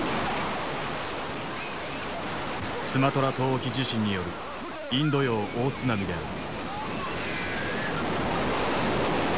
スマトラ島沖地震によるインド洋大津波である。